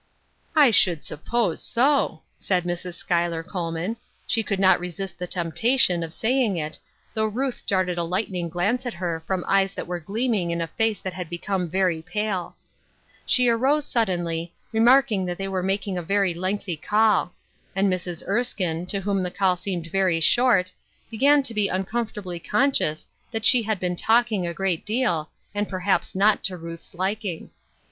" I should suppose so," said Mrs. Schuyler Col man. She could not resist the temptation of 1 i4 Muth Erskines Crosses. saying it, though Ruth darted a lightning glance at her from eyes that were gleaming in a face that had become very pale. She arose suddenly, remarking that they were making a very lengthy call ; and Mrs. Erskine, to whom the call seemed very short, began to be uncomfortably conscious that she had been talking a great deal, and per haps not to Ruth's liking.